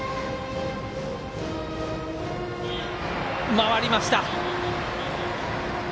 回りました。